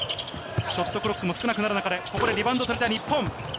ショットクロックも少なくなる中でリバウンドを取りたい日本。